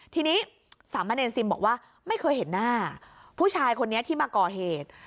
ทีนี้สามะเนรซิมบอกว่าไม่เคยเห็นหน้าผู้ชายคนนี้ที่มาก่อเหตุ